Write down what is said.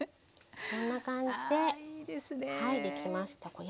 こんな感じではいできました。